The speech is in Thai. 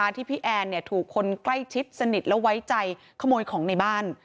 ที่พี่แอนถูกคนใกล้ชิดสนิทและไว้ใจขโมยของในบ้าน